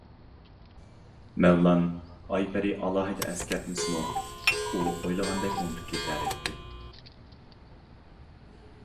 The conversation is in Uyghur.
مەۋلان ئايپەرى ئالاھىدە ئەسكەرتمىسىمۇ، ئۇ ئويلىغاندەك ئۇنتۇپ كېتەلەيتتى.